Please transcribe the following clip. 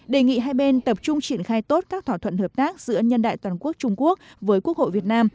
đề nghị hai bên tập trung triển khai tốt các thỏa thuận hợp tác giữa nhân đại toàn quốc trung quốc với quốc hội việt nam